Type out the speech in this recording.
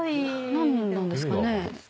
何なんですかね。